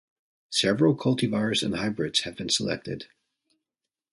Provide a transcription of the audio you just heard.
Several cultivars and hybrids have been selected.